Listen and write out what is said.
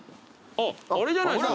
あっあれじゃないっすか。